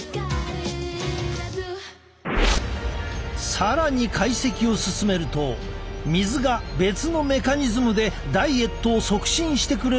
更に解析を進めると水が別のメカニズムでダイエットを促進してくれる方法を発見。